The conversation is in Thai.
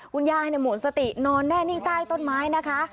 คุณยายหมดสตินอนแน่นิ่งใต้ต้นไม้นะคะ